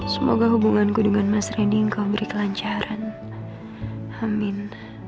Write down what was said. semoga hubunganku dengan mas rendy engkau berkelancaran amin